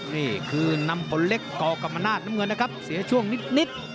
นี่คือนำผลเล็กกกรรมนาศน้ำเงินนะครับเสียช่วงนิด